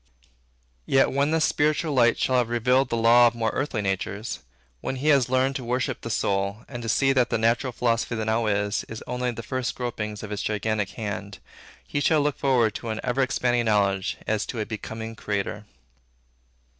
Yet when this spiritual light shall have revealed the law of more earthly natures, when he has learned to worship the soul, and to see that the natural philosophy that now is, is only the first gropings of its gigantic hand, he shall look forward to an ever expanding knowledge as to a becoming creator.